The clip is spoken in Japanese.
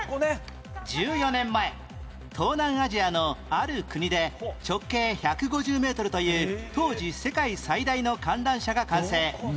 １４年前東南アジアのある国で直径１５０メートルという当時世界最大の観覧車が完成